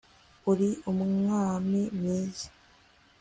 uri umwami mwiza